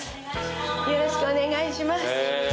よろしくお願いします。